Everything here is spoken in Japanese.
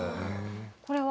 これは？